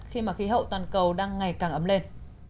khi mà khí hậu toàn cầu đang ngày càng ấm lên